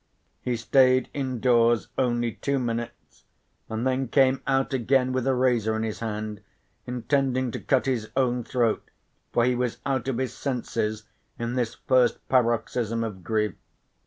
He stayed indoors only two minutes and then came out again with a razor in his hand intending to cut his own throat, for he was out of his senses in this first paroxysm of grief.